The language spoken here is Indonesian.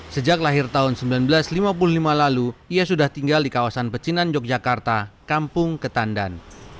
sejak lahir tahun seribu sembilan ratus lima puluh lima lalu ia sudah tinggal di kawasan pecinan yogyakarta kampung ketandan